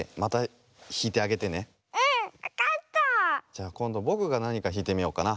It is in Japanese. じゃこんどぼくがなにかひいてみようかな。